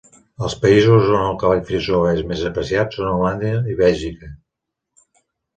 Els països on el cavall frisó és més apreciat són Holanda i Bèlgica.